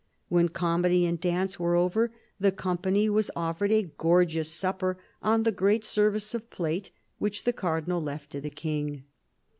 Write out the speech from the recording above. When comedy and dance were over the company was offered a gorgeous supper on the great service of plate which the Cardinal left to the King.